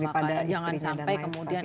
iya makanya jangan sampai kemudian